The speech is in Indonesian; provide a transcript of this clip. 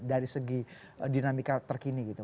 dari segi dinamika terkini gitu